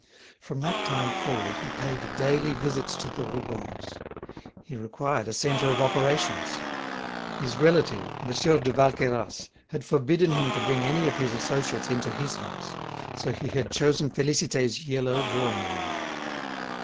From that time forward he paid daily visits to the Rougons. He required a centre of operations. His relative, Monsieur de Valqueyras, had forbidden him to bring any of his associates into his house, so he had chosen Félicité's yellow drawing room.